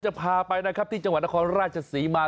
จะพาไปที่นี่ที่จังหวัดละคนราชศีมา